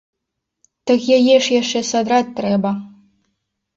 Так яе ж яшчэ садраць трэба.